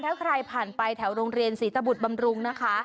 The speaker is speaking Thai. ถ้าใครผ่านไปแถวโรงเรียนศรีตบุตรบำรุงนะคะ